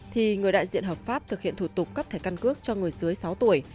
thì người đại diện hợp pháp thực hiện thủ tục cấp thẻ căn cước cho người dưới sáu tuổi